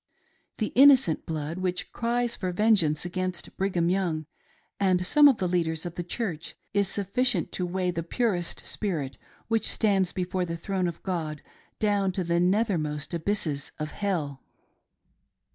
Th'C innocent blood which cries for vengeance against Brigham Young and some of the leaders of the Church is sufficient to weigh the purest spirit which stands before the throne of God down to the nether most abysses of hell.